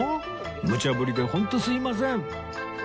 ムチャぶりでホントすいません